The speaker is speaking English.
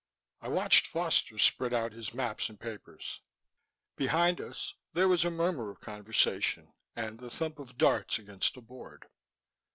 I watched Foster spread out his maps and papers. Behind us there was a murmur of conversation and the thump of darts against a board.